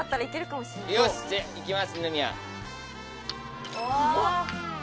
よしじゃいきます二宮。